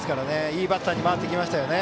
いいバッターに回ってきましたね。